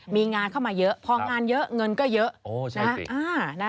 มีงานเข้ามาเยอะพองานเยอะเงินก็เยอะ